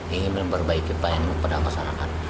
ingin memperbaiki pelayanan kepada masyarakat